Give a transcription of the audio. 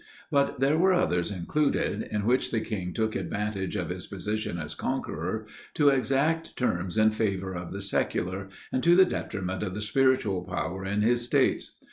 But there were others included, in which the king took advantage of his position as conqueror, to exact terms in favour of the secular, and to the detriment of the spiritual power in his states.